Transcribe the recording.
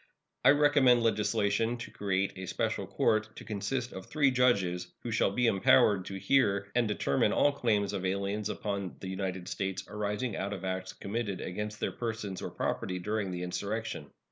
I recommend legislation to create a special court, to consist of three judges, who shall be empowered to hear and determine all claims of aliens upon the United States arising out of acts committed against their persons or property during the insurrection.